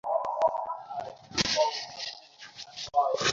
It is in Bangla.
এভাবে তাদের হুমকি দেয়া যাবে না।